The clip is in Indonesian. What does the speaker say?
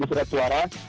dua puluh surat suara